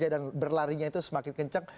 dan berlarinya itu semakin kencang